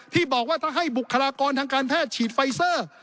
ที่บอกว่าถ้าให้บุคลากรทางการแพทย์ฉีดไฟเซอร์